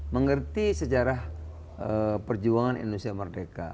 mengerti sejarah perjuangan indonesia merdeka